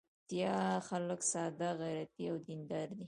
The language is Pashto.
پکتیکا خلک ساده، غیرتي او دین دار دي.